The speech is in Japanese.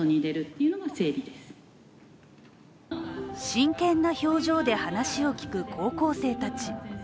真剣な表情で話を聞く高校生たち。